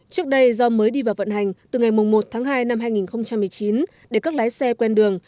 trước đây do mới đi vào vận hành từ ngày một tháng hai năm hai nghìn một mươi chín để các lái xe quen đường